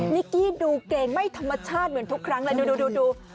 นิกกี้ดูเกงไม่ธรรมชาติเหมือนทุกครั้งเลยดู